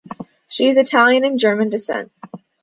She is of Italian and German descent.